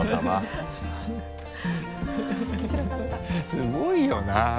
すごいよな。